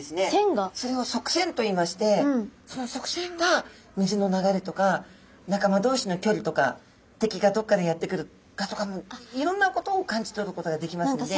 それを側線といいましてその側線が水の流れとか仲間同士のきょりとか敵がどこからやって来るかとかもいろんなことを感じ取ることができますんで。